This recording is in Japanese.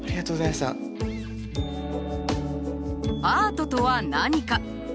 アートとは何か？